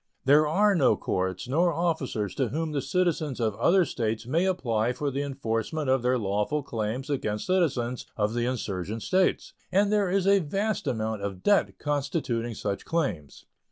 There are no courts nor officers to whom the citizens of other States may apply for the enforcement of their lawful claims against citizens of the insurgent States, and there is a vast amount of debt constituting such claims.